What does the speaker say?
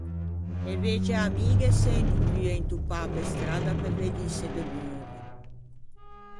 E vege amighe s’en dovue intoppâ per stradda, pe veddise de neuvo.